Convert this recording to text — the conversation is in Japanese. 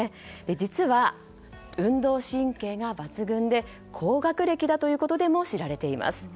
実は、運動神経が抜群で高学歴だということでも知られています。